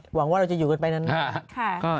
หวังว่าเราจะอยู่กันไปนาน